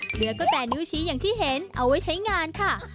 เหลือก็แต่นิ้วชี้อย่างที่เห็นเอาไว้ใช้งานค่ะ